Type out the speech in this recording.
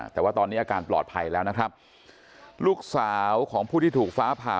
แต่ว่าตอนนี้อาการปลอดภัยแล้วนะครับลูกสาวของผู้ที่ถูกฟ้าผ่า